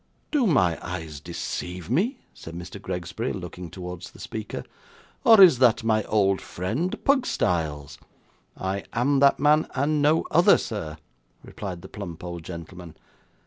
'Do my eyes deceive me,' said Mr. Gregsbury, looking towards the speaker, 'or is that my old friend Pugstyles?' 'I am that man, and no other, sir,' replied the plump old gentleman.